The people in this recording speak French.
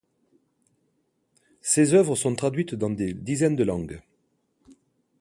Ses œuvres sont traduites dans des dizaines de langues.